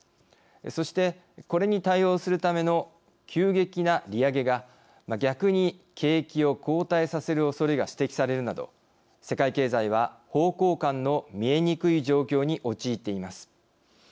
そして、これに対応するための急激な利上げが逆に景気を後退させるおそれが指摘されるなど世界経済は方向感の見えにくい状況に陥っています。